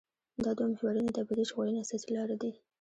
دا دوه محورونه د ابدي ژغورنې اساسي لاره دي.